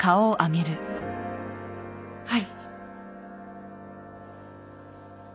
はい。